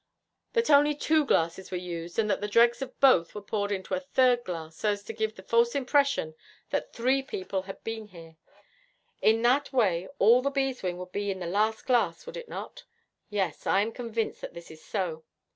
'That only two glasses were used, and that the dregs of both were poured into a third glass, so as to give the false impression that three people had been here. In that way all the beeswing would be in the last glass, would it not? Yes, I am convinced that this is so.